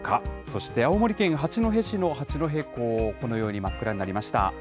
そして青森県八戸市の八戸港、このように真っ暗になりました。